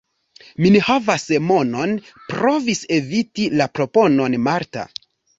Mi ne havas monon – provis eviti la proponon Marta.